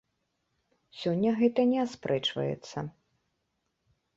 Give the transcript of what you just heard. Сёння гэта не аспрэчваецца.